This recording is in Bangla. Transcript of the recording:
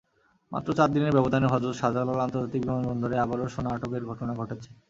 মাত্র চার দিনের ব্যবধানে হজরত শাহজালাল আন্তর্জাতিক বিমানবন্দরে আবারও সোনা আটকের ঘটনা ঘটেছে।